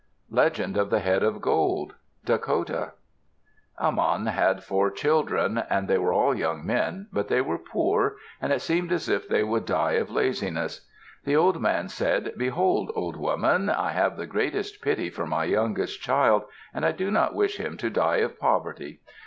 LEGEND OF THE HEAD OF GOLD Dakota A man had four children. And they were all young men, but they were poor and it seemed as if they would die of laziness. The old man said, "Behold! old woman. I have the greatest pity for my youngest child, and I do not wish him to die of poverty.